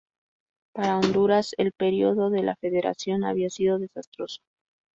Para Honduras, el período de la federación había sido desastroso.